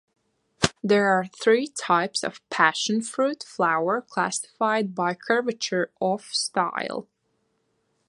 There are three types of passion fruit flower classified by curvature of style.